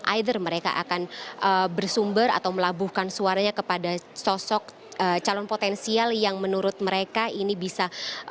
either mereka akan bersumber atau melabuhkan suaranya kepada sosok calon potensial yang menurut mereka ini bisa